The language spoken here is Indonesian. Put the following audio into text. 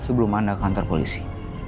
sebelum anda ke kantor polisi